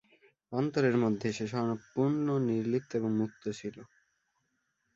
অন্তরের মধ্যে সে সম্পূর্ণ নির্লিপ্ত এবং মুক্ত ছিল।